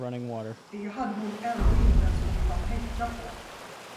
Det hade hon ännu inte ens kommit att tänka på.